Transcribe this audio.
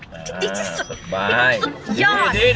ที่ดีที่สุดพี่ครอบสุดยอด